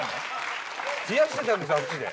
冷やしてたんですあっちで。